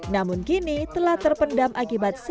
namun kini telah terpendam akibat sejarah